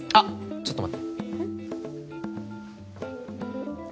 ちょっと待ってうん？